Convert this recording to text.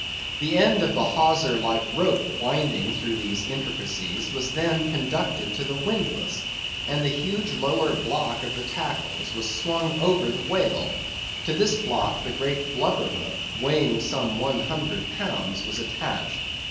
The end of the hawser like rope winding through these intricacies, was then conducted to the windlass, and the huge lower block of the tackles was swung over the whale; to this block the great blubber hook, weighing some one hundred pounds, was attached.